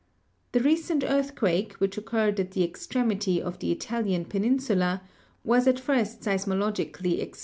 The recent earthquake which occurred at the extremity of the Italian peninsula was at first seismologically ex Fig.